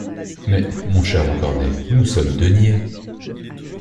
Mais, mon cher Montcornet, nous sommes deux niais.